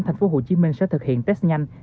thành phố hồ chí minh sẽ thực hiện test nhanh